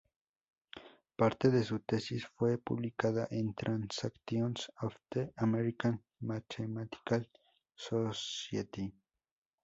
Parte de su tesis fue publicada en "Transactions of the American Mathematical Society".